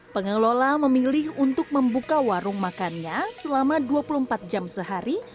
pengelola memilih untuk membuka warung makannya selama dua puluh empat jam sehari